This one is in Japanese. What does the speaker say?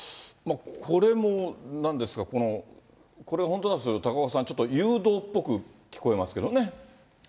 これも、なんですか、これ本当だというと、高岡さん、ちょっと誘導っぽく聞こえますけどね。